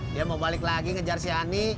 dia mau balik lagi ngejar si ani